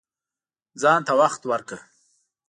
ځان ته وخت ورکړه